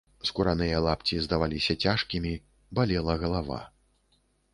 Скураныя лапці здаваліся цяжкімі, балела галава.